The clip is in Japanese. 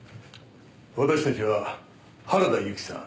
私たちは原田由紀さん